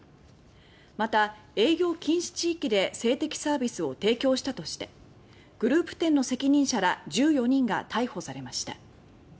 また、営業禁止地域で性的サービスを提供したとしてグループ店の責任者ら１４人が逮捕されました。